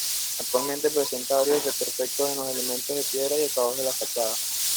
Actualmente presenta varios desperfectos en los elementos de piedra y acabados de la fachada.